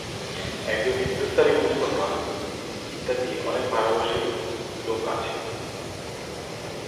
এখানে হিন্দুস্থানী, মুসলমান ইত্যাদি অনেক ভারতবর্ষীয় লোক আছে।